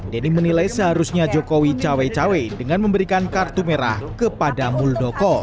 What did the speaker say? denny menilai seharusnya jokowi cawe cawe dengan memberikan kartu merah kepada muldoko